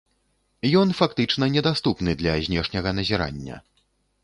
Ён фактычна недаступны для знешняга назірання.